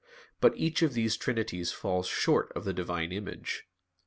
But each of these trinities falls short of the Divine image.